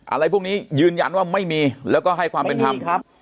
อะไรพวกนี้ยืนยันว่าไม่มีแล้วก็ให้ความเป็นธรรม